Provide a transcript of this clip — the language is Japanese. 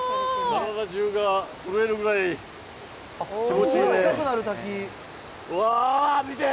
体中が震えるぐらい気持ちいいねぇ。